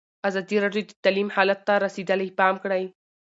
ازادي راډیو د تعلیم حالت ته رسېدلي پام کړی.